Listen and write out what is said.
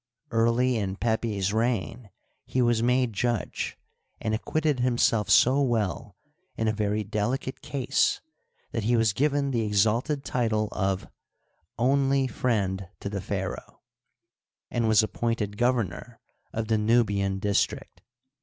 Early in Pepi's reign he was made judge, and acquitted himself so well in a very delicate case that he was given the exalted title of " Only friend to the pharaoh," and was appointed governor of the Nubian district.